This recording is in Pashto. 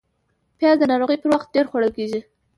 پیاز د ناروغۍ پر وخت ډېر خوړل کېږي